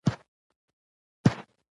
دا تنکے ځواني مې